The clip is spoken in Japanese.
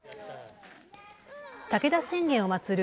武田信玄を祭る